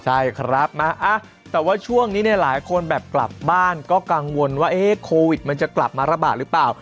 ใช่ครับนะแต่ว่าช่วงนี้เนี่ยหลายคนแบบกลับบ้านก็กังวลว่าโควิดมันจะกลับมาระบาดหรือเปล่า